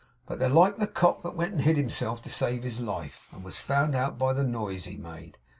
But they're like the cock that went and hid himself to save his life, and was found out by the noise he made.